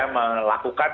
bintang kalau tidak salah ya